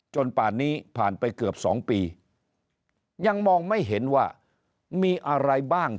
ป่านนี้ผ่านไปเกือบสองปียังมองไม่เห็นว่ามีอะไรบ้าง